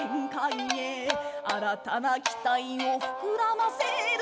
「新たな期待を膨らませる」